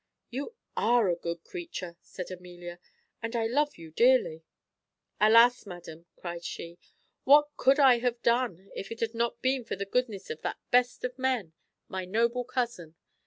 "You are a good creature," said Amelia, "and I love you dearly." "Alas! madam," cries she, "what could I have done if it had not been for the goodness of that best of men, my noble cousin!